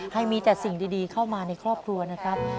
ให้มีแต่สิ่งดีเข้ามาในครอบครัวนะครับ